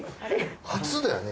初だよね